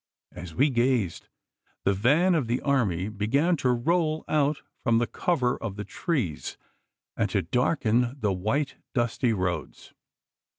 As we gazed, the van of the army began to roll out from the cover of the trees and to darken the white dusty roads.